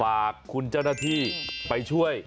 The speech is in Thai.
ฝากคุณเจ้าหน้าที่ไปช่วย